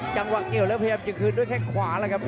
จังหวะเกี่ยวแล้วพยายามจะคืนด้วยแค่งขวาแล้วครับ